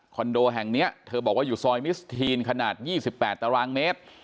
คอนโดแห่งนี้เธอบอกว่าอยู่ซอยมิสทีนขนาด๒๘ตรม